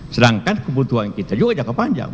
sedangkan kebutuhan kita juga jangka panjang